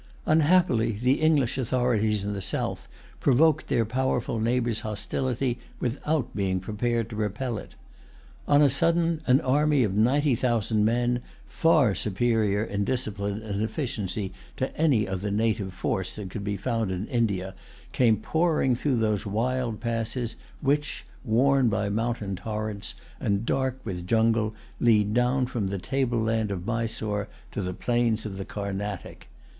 Unhappily the English authorities in the south provoked their powerful neighbor's hostility, without being prepared to repel it. On a sudden, an army of ninety thousand men, far superior in discipline and efficiency to any other native force that could be found in India, came pouring through those wild passes which, worn by mountain torrents, and dark with jungle, lead down from the table land of Mysore to the plains of the Carnatic.